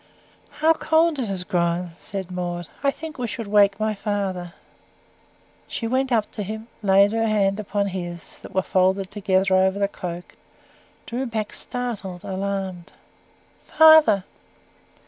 "How cold it has grown," said Maud. "I think we ought to wake my father." She went up to him, laid her hand upon his, that were folded together over the cloak drew back startled alarmed. "Father!"